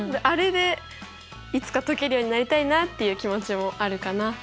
あれでいつか解けるようになりたいなっていう気持ちもあるかな。